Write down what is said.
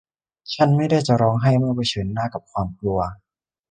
ฉันไม่ได้จะร้องไห้เมื่อเผชิญหน้ากับความกลัว